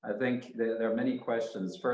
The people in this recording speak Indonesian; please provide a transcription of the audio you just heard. itu adalah penyelamat ekonomi